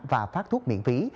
và phát thuốc miễn phí